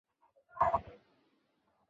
正一品。